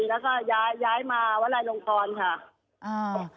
แล้วก็ย้ายมาวันลายลงครค่ะ